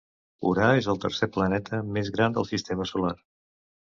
Urà és el tercer planeta més gran del sistema solar.